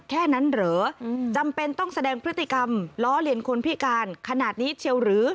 แค่นั้นเหรอจำเป็นต้องแสดงพฤติกรรมล้อเลียนคนพิการขนาดนี้เชียวหรือ